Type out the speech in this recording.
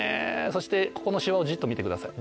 そしてここのシワをじっと見てください